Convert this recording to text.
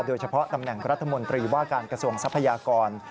ตำแหน่งรัฐมนตรีว่าการกระทรวงทรัพยากร